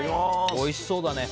おいしそうだね。